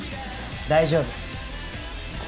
大丈夫。